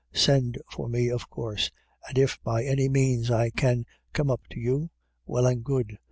Send for me of course, and if by any means I can come up to you, well and good.